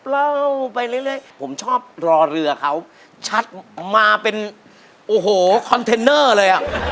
เล่าไปเรื่อยผมชอบรอเรือเขาชัดมาเป็นโอ้โหคอนเทนเนอร์เลยอ่ะ